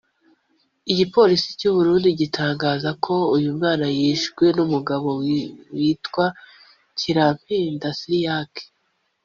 Igipolisi cy’u Burundi gitangaza ko uyu mwana yishwe n’umugabo witwa Ntirampeba Cyriaque